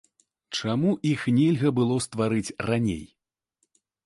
Чаму іх нельга было стварыць раней?